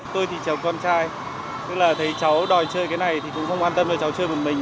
tôi thì chồng con trai thế là thấy cháu đòi chơi cái này thì cũng không an tâm cho cháu chơi một mình